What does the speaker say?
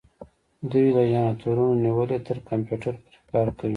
دوی له جنراتورونو نیولې تر کمپیوټر پورې کار کوي.